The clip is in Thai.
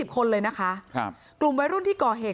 คนเลยนะคะกลุ่มวัยรุ่นที่ก่อเหตุ